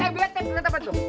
nih kapan tuh